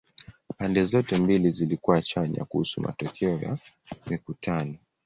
Pande zote mbili zilikuwa chanya kuhusu matokeo ya mikutano.